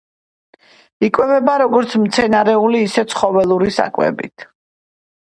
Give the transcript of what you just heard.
იკვებება როგორც მცენარეული, ისე ცხოველური საკვებით.